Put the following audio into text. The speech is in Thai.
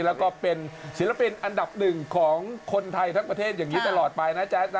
แล้วก็เป็นศิลปินอันดับ๑ของคนไทยทั้งประเด็นอย่างนี้ตลอดไป